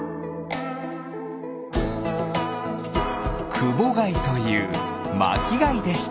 クボガイというまきがいでした。